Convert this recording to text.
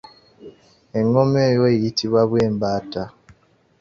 Engoma eyo eyitibwa bwembatta.